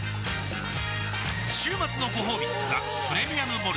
週末のごほうび「ザ・プレミアム・モルツ」